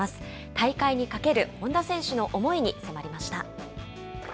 大会にかける本多選手の思いに迫りました。